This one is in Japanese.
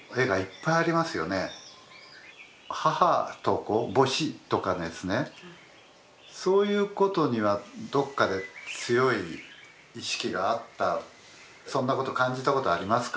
母と子母子とかですねそういうことにはどっかで強い意識があったそんなこと感じたことありますか？